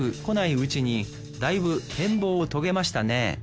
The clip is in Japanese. うちにだいぶ変貌を遂げましたね